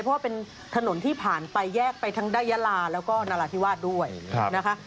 เพราะว่าเป็นถนนที่ผ่านไปแยกไปทั้งได้ยาลาแล้วก็นราธิวาสด้วยนะคะ